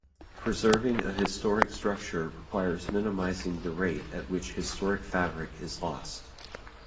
Preserving a historic structure requires minimizing the rate at which historic fabric is lost.